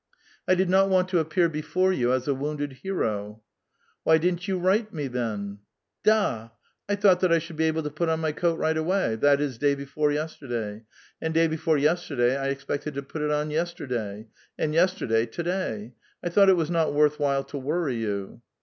'*I did not want to appear before you as a wounded hero." '* Why didn't you write me, then?" "• Da! I thought that I should be able to put on my coat right away ; that is, day l)eI'ore yestei day ; and day before yesterday, I expected to put it on yesterday ; and yesterday, to day. I thought it was not worth while to worry you."